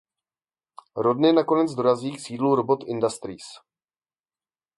Rodney nakonec dorazí k sídlu Robot Industries.